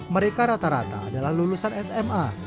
mereka rata rata adalah lulusan sma